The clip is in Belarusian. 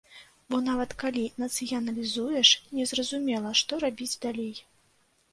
Бо нават калі нацыяналізуеш, незразумела, што рабіць далей.